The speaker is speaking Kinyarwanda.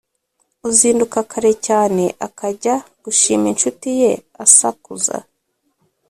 uzinduka kare cyane akajya gushima incuti ye asakuza,